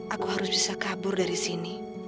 aku harus bisa kabur dari sini